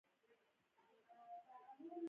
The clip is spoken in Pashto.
په دې ډول به یې د هغه جامې ورخرابې کړې.